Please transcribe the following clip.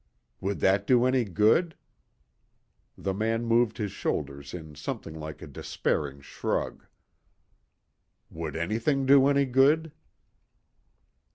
"Would that do any good?" The man moved his shoulders in something like a despairing shrug. "Would anything do any good?"